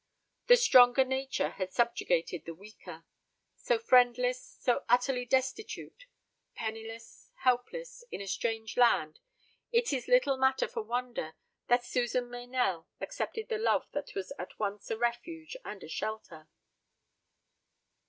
The stronger nature had subjugated the weaker. So friendless, so utterly destitute penniless, helpless, in a strange land, it is little matter for wonder that Susan Meynell accepted the love that was at once a refuge and a shelter.